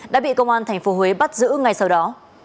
đã bị công an tp huế bắt giữ ngay sau đó